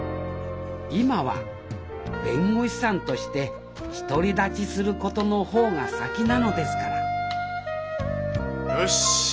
今は弁護士さんとして独り立ちすることの方が先なのですからよし！